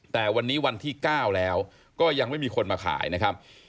แต่วันนี้วันที่๙แล้วก็ยังไม่มีคนมาขายนะครับ